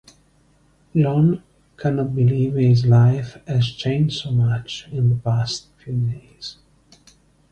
Jon cannot believe his life has changed so much in the past few days.